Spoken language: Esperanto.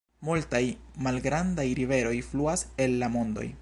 Multaj malgrandaj riveroj fluas el la montoj.